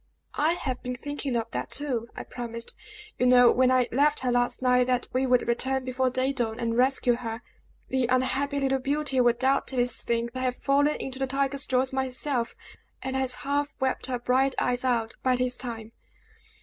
"I have been thinking of that, too! I promised, you know, when I left her, last night, that we would return before day dawn, and rescue her. The unhappy little beauty will doubtless think I have fallen into the tiger's jaws myself, and has half wept her bright eyes out by this time!"